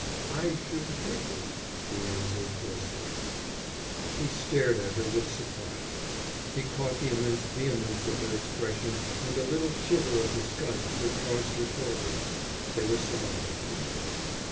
"I should hate it," she answered, hoarsely. He stared at her with surprise. He caught the immense vehemence of her expression and the little shiver of disgust that crossed her shoulders. They were silent again.